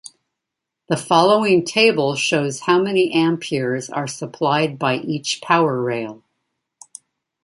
The following table shows how many amperes are supplied by each power rail.